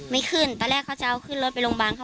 ไม่ขึ้นตอนแรกเขาจะเอาขึ้นรถไปโรงพยาบาลเขา